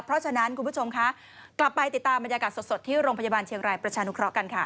เพราะฉะนั้นคุณผู้ชมคะกลับไปติดตามบรรยากาศสดที่โรงพยาบาลเชียงรายประชานุเคราะห์กันค่ะ